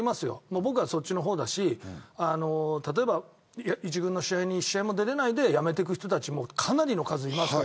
僕は、そっちの方だし例えば１軍の試合に１試合も出れないで辞めていく人たちもかなりの数がいます。